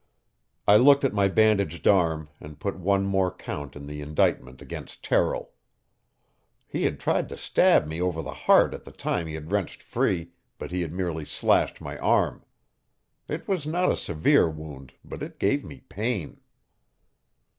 I looked at my bandaged arm, and put one more count in the indictment against Terrill. He had tried to stab me over the heart at the time he had wrenched free, but he had merely slashed my arm. It was not a severe wound, but it gave me pain.